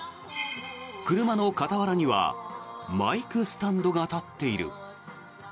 車の傍らにはマイクスタンドが立っている。